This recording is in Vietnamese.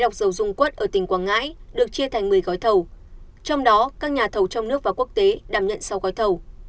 ở tỉnh quảng ngãi được chia thành một mươi gói thầu trong đó các nhà thầu trong nước và quốc tế đảm nhận sáu gói thầu